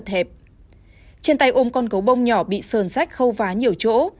trên tay ôm con cấu bông nhỏ bị sờn sách khâu vá nhiều chỗ